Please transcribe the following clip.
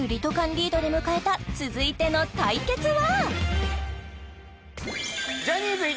リードで迎えた続いての対決は？